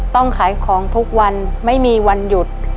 ต้องขายของทุกวันไม่มีวันหยุด